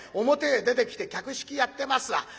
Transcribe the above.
表へ出てきて客引きやってますわ。